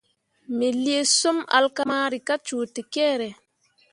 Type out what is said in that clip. Me lii sum alkamari kah cuu tekere.